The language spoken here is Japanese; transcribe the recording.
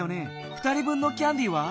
２人分のキャンディーは？